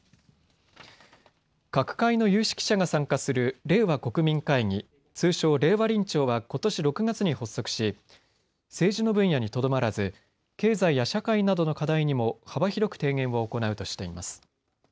各界の有識者が参加する令和国民会議、通称、令和臨調はことし６月に発足し政治の分野にとどまらず経済や社会などの課題にも幅広く提言を行うとしています。